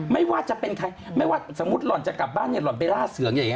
ไม่ว่าจะเป็นใครสมมุติเรากลับบ้านแล้วไปล่าเสือ